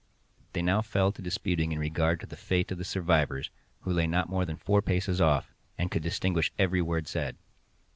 They now fell to disputing in regard to the fate of the survivors, who lay not more than four paces off, and could distinguish every word said.